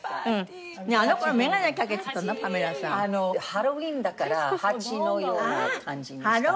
ハロウィーンだからハチのような感じにしたの。